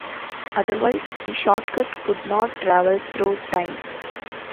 Otherwise, the Shortcut could not travel through time.